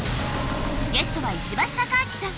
ゲストは石橋貴明さん